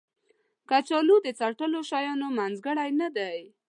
کچالو د څټلو شیانو منځګړی نه دی